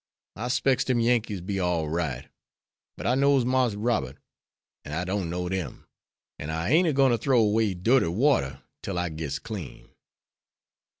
I specs dem Yankees be all right, but I knows Marse Robert, an' I don't know dem, an' I ain't a gwine ter throw away dirty water 'til I gits clean."